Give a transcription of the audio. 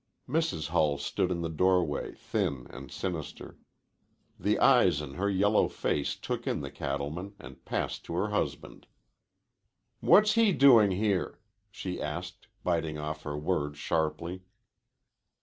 Mrs. Hull stood in the doorway, thin and sinister. The eyes in her yellow face took in the cattleman and passed to her husband. "What's he doing here?" she asked, biting off her words sharply.